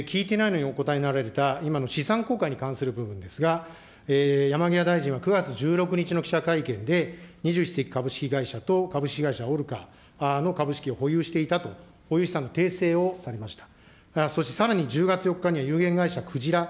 聞いてないのにお答えになられた、今の資産公開に関する部分ですが、山際大臣は９月１６日の記者会見で、２１世紀株式会社と株式会社おるかの株式を保有していたという、の訂正をされました。